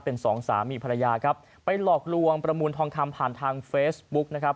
เป็นสองสามีภรรยาครับไปหลอกลวงประมูลทองคำผ่านทางเฟซบุ๊กนะครับ